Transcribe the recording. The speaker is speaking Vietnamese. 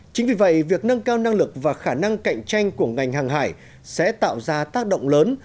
chính vì vậy việc nâng cao năng lực và khả năng cạnh tranh của ngành hàng hải sẽ tạo ra tác động lớn